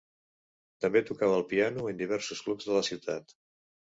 També tocava el piano en diversos clubs de la ciutat.